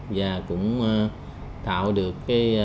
và cũng tạo được